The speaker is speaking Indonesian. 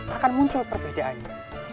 akan muncul perbedaannya